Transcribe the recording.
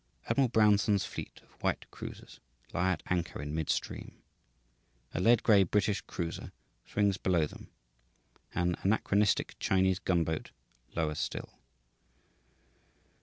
Admiral Brownson's fleet of white cruisers lie at anchor in midstream. A lead gray British cruiser swings below them, an anachronistic Chinese gunboat lower still.